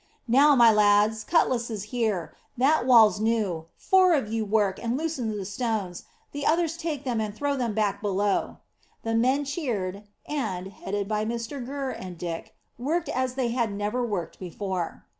"Now, my lads, cutlasses here. That wall's new. Four of you work, and loosen the stones, the others take them and throw them back below." The men cheered, and, headed by Mr Gurr and Dick, worked as they had never worked before.